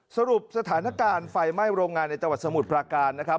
สรุปสถานการณ์ไฟไหม้โรงงานในจังหวัดสมุทรปราการนะครับ